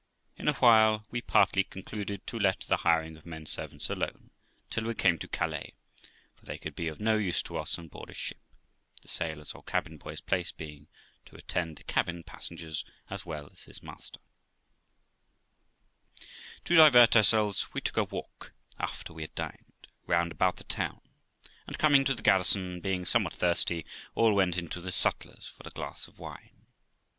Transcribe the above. In a while, we partly concluded to let the hiring of men servants alone till we came to Calais, for they could be of no use to us on board a ship, the sailor's or cabin boy's place being to attend the cabin passengers as well as his master. THE LIFE OF ROXANA 397 To divert ourselves, we took a walk, after we had dined, round about the town, and coming to the garrison, and being somewhat thirsty, all went into the sutler's for a glass of wine.